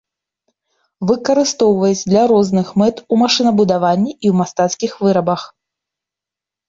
Выкарыстоўваюць для розных мэт у машынабудаванні і ў мастацкіх вырабах.